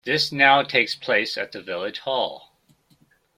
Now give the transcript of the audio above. This now takes place at the village hall.